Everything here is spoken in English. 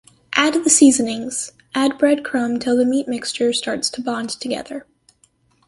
Add the seasonings. add bread crumb till the meat mixture starts to bond together.